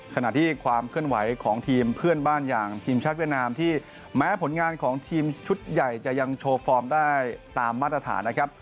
ขณะที่ความเคลื่อนไหวของทีมเพื่อนบ้านอย่างทีมชาติเวียดนามที่แม้ผลงานของทีมชุดใหญ่จะยังโชว์ฟอร์มได้ตามมาตรฐานนะครับ